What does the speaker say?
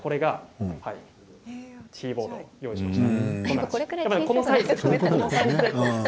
キーボードを用意しました。